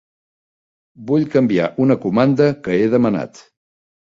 Vull canviar una comanda que he demanat.